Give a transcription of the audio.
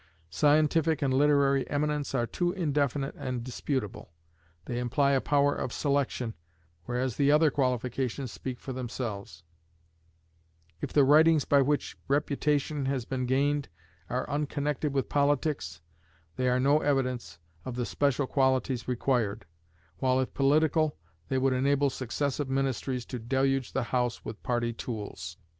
Scientific and literary eminence are too indefinite and disputable: they imply a power of selection, whereas the other qualifications speak for themselves; if the writings by which reputation has been gained are unconnected with politics, they are no evidence of the special qualities required, while, if political, they would enable successive ministries to deluge the House with party tools.